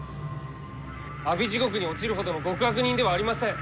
阿鼻地獄に落ちるほどの極悪人ではありません。